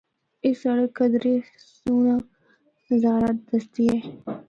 اے سڑک کدرے سہنڑا نظارہ دسدی ہے۔